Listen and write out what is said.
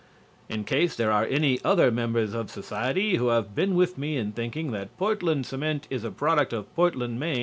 In case there are any other members of society who have been with me in thinking that Portland cement is a product of Portland, Me.